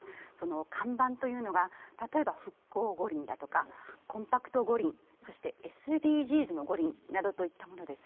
看板というのが例えば復興五輪、コンパクト五輪、そしてＳＤＧｓの五輪などといったものです。